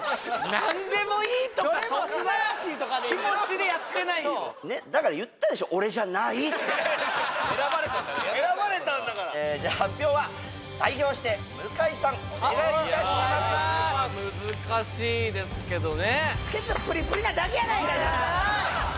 何でもいいとかそんな気持ちでやってないよ選ばれたんだからやりなさい選ばれたんだからじゃあ発表は代表して向井さんお願いいたしますいや難しいですけどね